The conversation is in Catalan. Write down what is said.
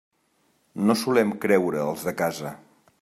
No solem creure els de casa.